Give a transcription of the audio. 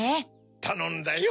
たのんだよ。